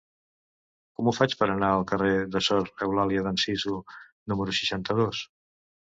Com ho faig per anar al carrer de Sor Eulàlia d'Anzizu número seixanta-dos?